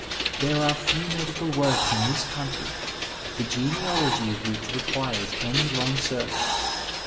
There are few medical w(H>ks in this countiy the genealogy of which requires any long search.